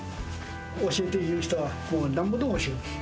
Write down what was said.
教えて言う人は、なんぼでも教える。